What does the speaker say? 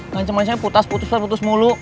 mancaman saya putas putusan putus mulu